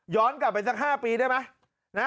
กลับไปสัก๕ปีได้ไหม